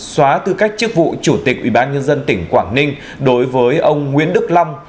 xóa tư cách chức vụ chủ tịch ubnd tỉnh quảng ninh đối với ông nguyễn đức long